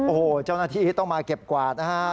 โอ้โหเจ้าหน้าที่ต้องมาเก็บกวาดนะฮะ